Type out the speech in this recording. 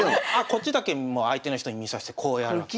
こっちだけ相手の人に見させてこうやるわけ。